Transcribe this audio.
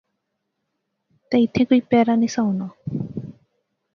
تد ایتھیں کوئی پہرہ نہسا ہونا